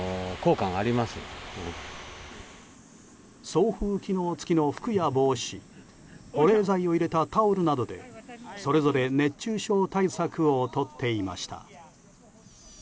送風機能付きの服や帽子保冷剤を入れたタオルなどでそれぞれ熱中症対策をとっていました。